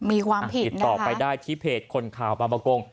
ติดต่อไปได้ที่เพจคนข่าวบาปกง